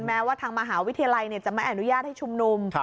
แม้ว่าทางมหาวิทยาลัยจะไม่อนุญาตให้ชุมนุม